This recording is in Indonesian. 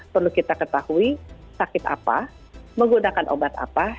perlu kita ketahui sakit apa menggunakan obat apa